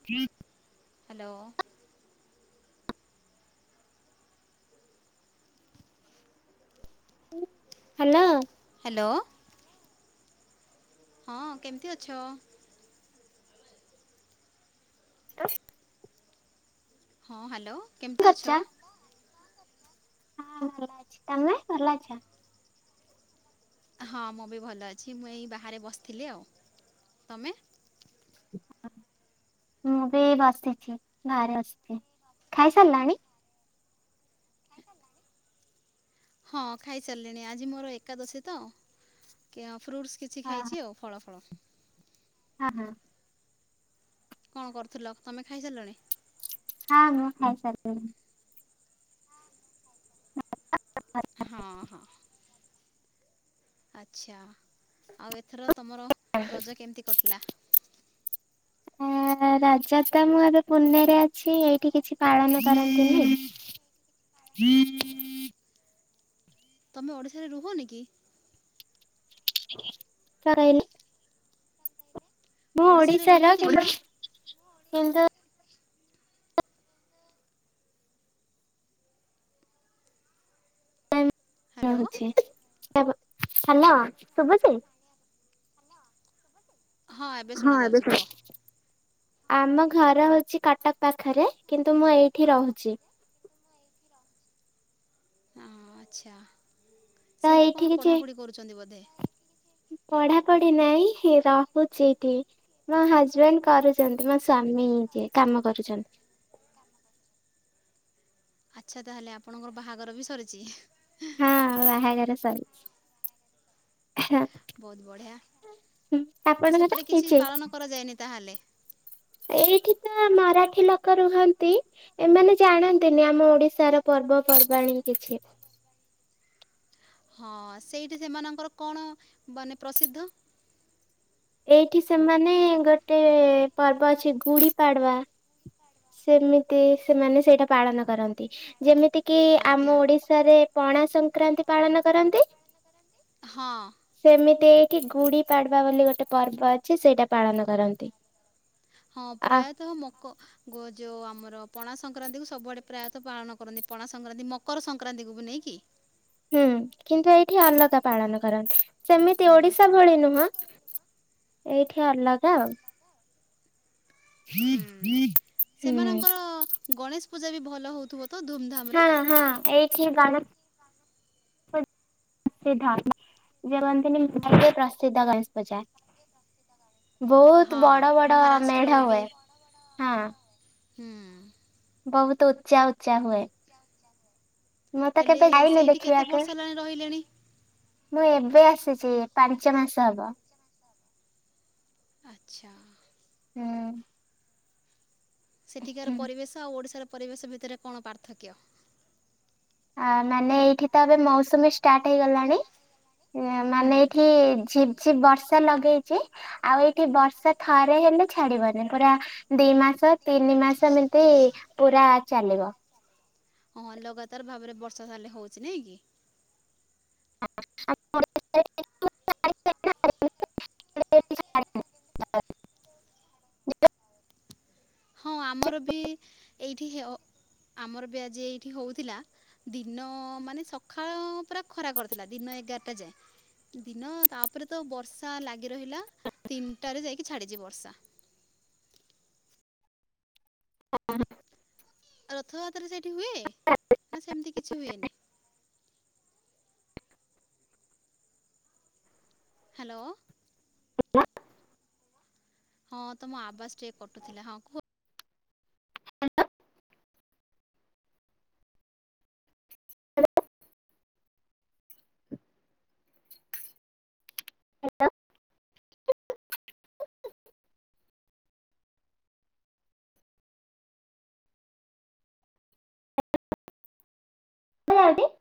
[inaudible] Hello. Hello. Hello. ହଁ, କେମିତି ଅଛ? [inaudible] ହଁ, ହ୍ୟାଲୋ, କେମିତି କରୁଛ? ଅଛ? ହଁ, ଭଲ ଅଛି। ତମେ ଭଲ ଅଛ? ହଁ, ମୁଁ ବି ଭଲ ଅଛି। ମୁଁ ଏଇ ବାହାରେ ବସିଥିଲି, ଆଉ। ତମେ? ମୁଁ ବି ବସିଛି, ବାହାରେ ବସିଛି। ଖାଇସାରିଲଣି? [unintelligible] ହଁ, ଖାଇସାରିଲିଣି, ଆଜି ମୋର ଏକାଦଶୀ ତ [unintelligible] ଫ୍ରୁଟସ୍‌ କିଛି ହଁ ଖାଇଛି ଆଉ ଫଳ ଫଳ। ହଁ, ହଁ। କଣ କରୁଥିଲ, ତମେ ଖାଇସାରିଲଣି? ହଁ, ମୁଁ ଖାଇ ସାରିଲିିଣି। ହଁ, ହଁ। ଆଚ୍ଛା, ଆଉ ଏଥର ତମର ରଜ କେମିତି କଟିଲା? [inaudible] ଆ ରଜ ତ ମୁଁ ଏବେ ପୁନେରେ ଅଛି, ଏଇଠି କିଛି ପାଳନ କରନ୍ତିନି। [inaudible] ତମେ ଓଡ଼ିଶାରେ ରୁହନି କି? [unintelligible] ମୁଁ ଓଡ଼ିଶାରେ ଓଡ଼ିଶାର, ରୁହନ୍ତିନି କିନ୍ତୁ, କି? କିନ୍ତୁ ହ୍ୟାଲୋ ରହୁଛି। ତାପ ହ୍ୟାଲୋ, ଶୁଭୁଛି? ହ୍ୟାଲୋ ଶୁଭୁଛି? ହଁ, ଏବେ ଶୁଭୁଛି। ଆମ ଘର ହଉଛି କଟକ ପାଖରେ, କିନ୍ତୁ ମୁଁ ଏଇଠି ରହୁଛି। ହଁ ଆଚ୍ଛା। ତ ସେଇଠି ଏଇଠି କଣ କିଛି ପଢ଼ାପଢ଼ି କରୁଛନ୍ତି ବୋଧେ? ପଢାପଢି ନାଇଁ ରହୁଛି ଇଠି। ମୋ ହଜବେଣ୍ଡ୍ କରୁଚନ୍ତି, ମୋ ସ୍ଵାମୀ ଯିଏ କାମ କରୁଛନ୍ତି। ଆଚ୍ଛା। ତା ହେଲେ ଆପଣଙ୍କର ବାହାଘର ବି ସରିଛି। ହଁ, ବାହାଘର ସରିଛି। ବହୁତ ବଢିଆ। ଆପଣଙ୍କର ସେପଟେ କିଛି ହେଇଛି? ପାଳନ କରାଯାଏନି ତାହେଲେ? ଏଇଠି ତ ମରାଠି ଲୋକ ରୁହନ୍ତି। ଏମାନେ ଜାଣନ୍ତିନି ଆମ ଓଡିଶାର ପର୍ବପର୍ବାଣୀ କିଛି। ହଁ। ସେଇଠି ସେମାନଙ୍କର କଣ ମାନେ ପ୍ରସିଦ୍ଧ? ଏଇଠି ସେମାନେ ଗୋଟେ ପର୍ବ ଅଛି ଗୁଡି ପାଡୁଆ। ସେମିତି ସେମାନେ ସେଇଟା ପାଳନ କରନ୍ତି। ଯେମିତିକି ଆଜ୍ଞା ଆମ ଓଡିଶାରେ ପଣା ସଂକ୍ରାନ୍ତି ପାଳନ କରନ୍ତି। ହଁ। ସେମିତି ଏଇଠି ଗୁଡି ପାଡ୍ବା ବୋଲି ଗୋଟେ ପର୍ବ ଅଛି, ସେଇଟା ପାଳନ କରନ୍ତି। ହଁ ଆ ପ୍ରାୟତଃ ମକ ଗୋ ଯୋଉ ଆମର ପଣା ସଂକ୍ରାନ୍ତିକୁ ସବୁଆଡ଼େ ପ୍ରାୟତଃ ପାଳନ କରନ୍ତି। ପଣା ସଂକ୍ରାନ୍ତି, ମକର ସଂକ୍ରାନ୍ତିକୁ ବି ନେଇକି ହୁଁ କିନ୍ତୁ ଏଇଠି ଅଲଗା ପାଳନ କରନ୍ତି। ସେମିତି ହୁଁ ଓଡିଶା ଭଳି ନୁହଁ। ଏଇଠି ଅଲଗା ଆଉ। ହୁଁ [inaudible] ସେମାନଙ୍କର ଗଣେଶ ପୂଜା ବି ଭଲ ହେଉଥିବ। ତ ଧୁମଧାମରେ ହଁ ହଁ ଏଇଠି ବାଣ ସିଧା। ଇଏ ରହନ୍ତିନି ମୁଁ ଭାବେ ପ୍ରସିଦ୍ଧ ଗଣେଶ ପୂଜା। ବହୁତ ହଁ ବଡ ବଡ ମହାରାଷ୍ଟ୍ରର ମେଢ ହୁଏ। ହଁ। ହଁ। ବହୁତ ଉଚ୍ଚା ଉଚ୍ଚା ହୁଏ। ଉଚ୍ଚା ଉଚ୍ଚା ହୁଏ। ମୁଁ ତ କେବେ ଯାଇନି ବର୍ଷ ଦେଖିବାକୁ? ହେଲାଣି ରହିଲେଣି ମୁଁ ଏବେ ଆସିଛି, ପାଞ୍ଚ ମାସ ହବ। ଆଚ୍ଛା। ଉଁ। ସେଠିକାର ହୁଁ। ପରିବେଶ ଆଉ ଓଡ଼ିଶାର ପରିବେଶ ଭିତରେ କଣ ପାର୍ଥକ୍ୟ? ଆ ମାନେ ଏଇଠି ତ ଏବେ ମୌସୁମୀ ଷ୍ଟାର୍ଟ୍ ହେଇଗଲାଣି। ହୁଁ। ମାନେ ଏଇଠି ଝିପ୍ ଝିପ୍ ବର୍ଷା ଲଗେଇଛି। ଆଉ ଏଠି ବର୍ଷା ଥରେ ହେଲେ ଛାଡିବନି, ପୁରା ଦି ମାସ ତିନି ମାସ ଏମିତି ପୁରା ଚାଲିବ। ହଁ ଲଗାତାର ଭାବରେ ବର୍ଷା ତା ହେଲେ ହଉଚି ନାଇଁ କି? [inaudible] [inaudible] ହଁ ଆମର ବି ଏଇଠି ହ-ଅ-ଆମର ବି ଆଜି ଏଇଠି ହେଉଥିଲା। ଦିନ ମାନେ ସକାଳ ପୁରା ଖରା କରିଥିଲା ଦିନ ଏଗାରଟା ଯାଏ। ଦିନ ତା ପରେ ତ ବର୍ଷା ଲାଗି ରହିଲା। ତିନିଟାରେ ଯାଇକି ଛାଡ଼ିଛି ବର୍ଷା। [inaudible] ରଥଯାତ୍ରା ସେଇଠି ହୁଏ। ନା, ସେମିତି କିଛି ହୁଏନି। ହ୍ୟାଲୋ। ହଁ ତମ ଆବାସ ଟିକେ କଟୁଥିଲା। ହଁ, କୁହ। [unintelligible]